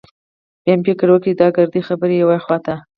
بيا مې فکر وکړ چې دا ګردې خبرې يوې خوا ته.